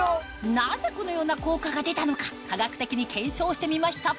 なぜこのような効果が出たのか科学的に検証してみました